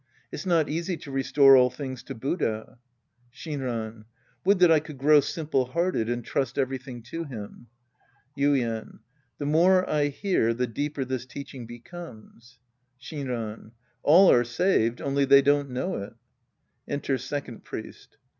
It's not easy to restore all things to Buddha. Shinran. Would that I could grow simplp hparfpH and trust everything to him. Yuien. The more I hear, the deeper this teacWng becomes. Shinran. All are saved. Only they don't know it. {Enter Second Priest.)